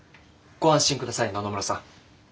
ご安心ください野々村さん。